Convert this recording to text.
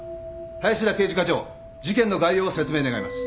林田刑事課長事件の概要を説明願います。